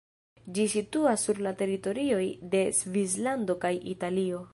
Ĝi situas sur la teritorioj de Svislando kaj Italio.